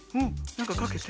なんかかけて？